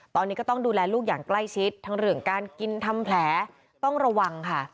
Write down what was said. ตอนนี้ก็ต้องดูแลลูกอย่างใกล้ชิดทั้งเรื่องการกินทำแผลต้องระวังค่ะ